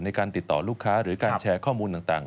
ในการติดต่อลูกค้าหรือการแชร์ข้อมูลต่าง